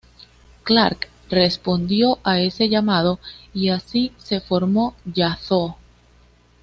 Clarke respondió a ese llamado y así se formó Yazoo.